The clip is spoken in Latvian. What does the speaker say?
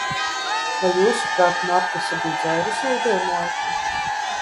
Vai, jūsuprāt, Markesa bija dzērusi lidojuma laikā?